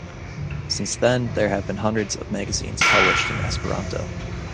Since then there have been hundreds of magazines published in Esperanto.